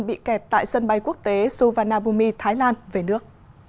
bị kẹt tại sân bay quốc tế suvarnabhumi thái lan về nước